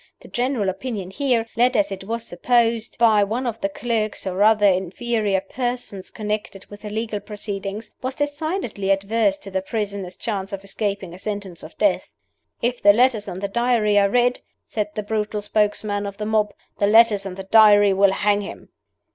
The general opinion here led, as it was supposed, by one of the clerks or other inferior persons connected with the legal proceedings was decidedly adverse to the prisoner's chance of escaping a sentence of death. "If the letters and the Diary are read," said the brutal spokesman of the mob, "the letters and the Diary will hang him."